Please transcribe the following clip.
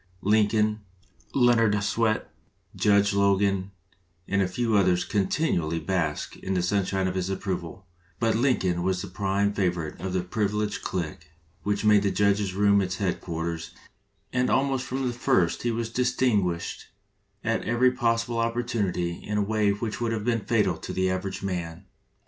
Lincoln, Leonard Swett, Judge Logan, and a few others continually basked in the sunshine of his approval; but Lincoln was the prime favorite of the privileged clique which made the judge's room its headquarters, and almost from the first he was distinguished at every possible oppor tunity in a way which would have been fatal to the average man.